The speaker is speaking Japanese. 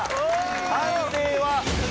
判定は？